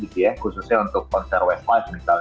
khususnya untuk konser westwatch